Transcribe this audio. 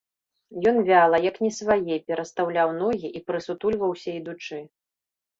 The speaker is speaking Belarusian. Ён вяла, як не свае, перастаўляў ногі і прысутульваўся ідучы.